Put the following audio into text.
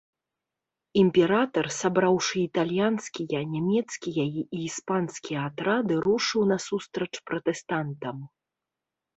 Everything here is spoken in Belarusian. Імператар, сабраўшы італьянскія, нямецкія і іспанскія атрады, рушыў насустрач пратэстантам.